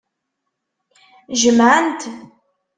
Jemɛen-t.